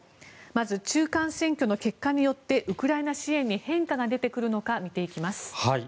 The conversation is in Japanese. まず中間選挙の結果によってウクライナ支援に変化が出てくるのか見ていきます。